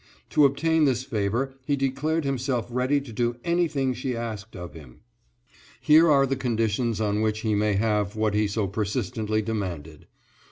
To obtain this favor he declared himself ready to do anything she asked of him. "Here are the conditions on which he may have what he so persistently demanded: "1.